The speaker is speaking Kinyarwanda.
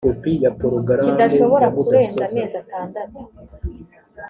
kidashobora kurenza amezi atandatu